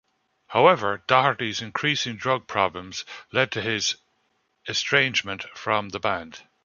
However, Doherty's increasing drug problems led to his estrangement from the band.